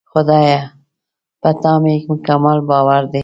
خدایه! په تا مې مکمل باور دی.